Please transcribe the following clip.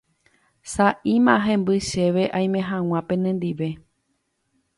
sa'íma hemby chéve aime hag̃ua penendive